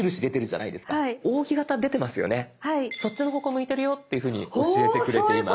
向いてるよっていうふうに教えてくれています。